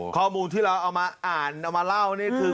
ข้อมูลที่เราเอามาอ่านเอามาเล่านี่คือ